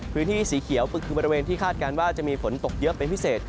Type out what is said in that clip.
พื้นที่สีเขียวปึกคือบริเวณที่คาดการณ์ว่าจะมีฝนตกเยอะเป็นพิเศษ